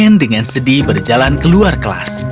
anne dengan sedih berjalan keluar kelas